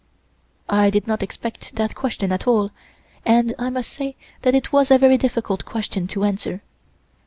I did not expect that question at all, and I must say that it was a very difficult question to answer.